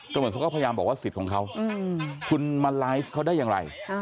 ก็เหมือนเขาก็พยายามบอกว่าสิทธิ์ของเขาคุณมาไลฟ์เขาได้อย่างไร